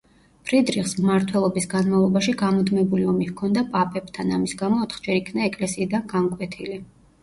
ფრიდრიხს მმართველობის განმავლობაში გამუდმებული ომი ჰქონდა პაპებთან, ამის გამო ოთხჯერ იქნა ეკლესიიდან განკვეთილი.